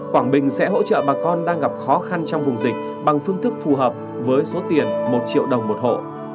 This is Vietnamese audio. quảng bình sẽ hỗ trợ bà con đang gặp khó khăn trong vùng dịch bằng phương thức phù hợp với số tiền một triệu đồng một hộ